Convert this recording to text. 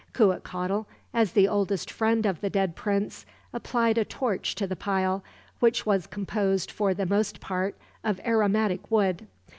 Cuitcatl, as the oldest friend of the dead prince, applied a torch to the pile, which was composed for the most part of aromatic wood.